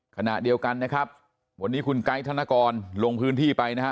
ขณะเดียวกันนะครับวันนี้คุณไกด์ธนกรลงพื้นที่ไปนะฮะ